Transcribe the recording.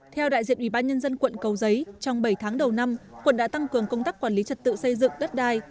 theo đại diện ủy ban nhân dân quận cầu giấy trong bảy tháng đầu năm quận đã tăng cường công tác quản lý trật tự xây dựng đất đai